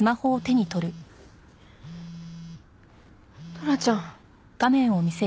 トラちゃん！